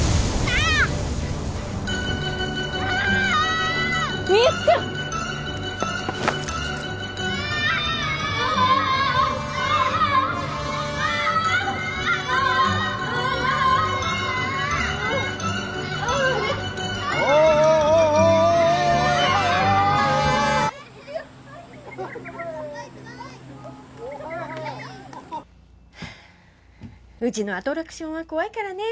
あーっあーっうちのアトラクションは怖いからね